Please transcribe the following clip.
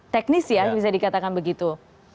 teknis ya bisa dikatakan begitu